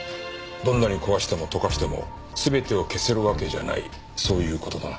どんなに壊しても溶かしても全てを消せるわけじゃないそういう事だな？